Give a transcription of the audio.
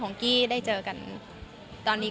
คุณแม่มะม่ากับมะมี่